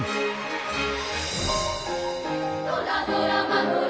「ドラドラマドラ！